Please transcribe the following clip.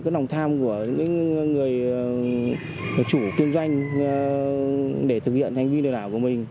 các đối tượng thường lợi dụng đánh vào cái nòng thác của những người chủ kinh doanh để thực hiện hành vi lừa đảo của mình